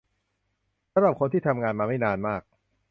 สำหรับคนที่ทำงานมาไม่นานมาก